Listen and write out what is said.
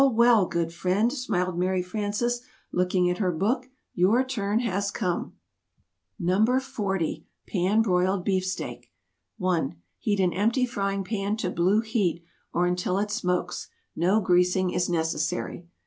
Well! Good friend," smiled Mary Frances, looking at her book, "your turn has come!" [Illustration: Smiled happily] NO. 40. PAN BROILED BEEFSTEAK. 1. Heat an empty frying pan to blue heat, or until it smokes. _No greasing is necessary.